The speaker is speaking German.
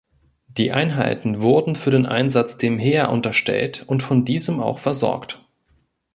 Die Einheiten wurden für den Einsatz dem Heer unterstellt und von diesem auch versorgt.